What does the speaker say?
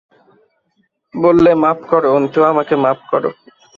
বললে, মাপ করো, অন্তু, আমাকে মাপ করো।